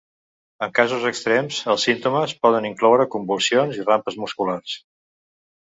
En casos extrems, els símptomes poden incloure convulsions i rampes musculars.